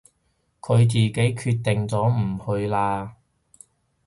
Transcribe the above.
佢自己決定咗唔去啦